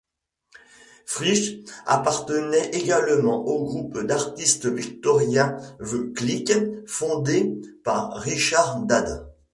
Frith appartenait également au groupe d’artistes victorien The Clique fondé par Richard Dadd.